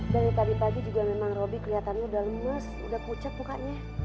dari pagi pagi juga memang robi kelihatannya udah lemes udah pucat mukanya